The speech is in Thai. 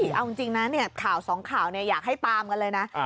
เอาจริงนะข่าวสองข่าวอยากให้ตามกันเลยนะ